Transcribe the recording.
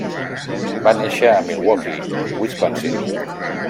Va néixer a Milwaukee, Wisconsin.